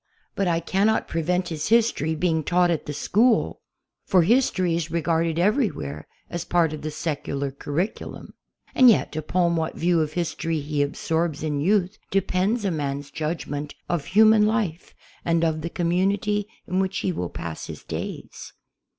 But I cannot prevent his history being taught at the school, for history is regarded everywhere as part of the secular curriculum. And yet, upon what view of history he absorbs in youth depends a man's judgment of human life and of the community in which he will pass his days.